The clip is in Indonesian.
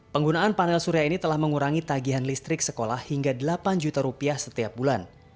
penggunaan panel surya ini telah mengurangi tagihan listrik sekolah hingga delapan juta rupiah setiap bulan